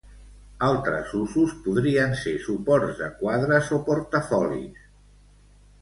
Altres usos podrien ser suports de quadres o portafolis.